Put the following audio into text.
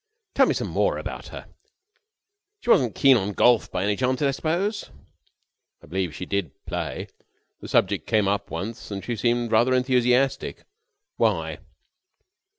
Tell me some more about her. She wasn't keen on golf, by any chance, I suppose?" "I believe she did play. The subject came up once and she seemed rather enthusiastic. Why?"